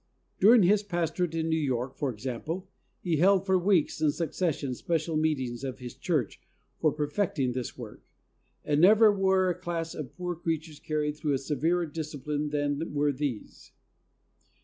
"During his pastorate in New York, for example, he held for weeks in succession KEEPING THE FLOCK. 123 special meetings of his church for perfecting this work, and never were a class of poor creatures carried through a severer discipline than were these.